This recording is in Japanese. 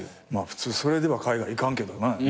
普通それでは海外行かんけどな。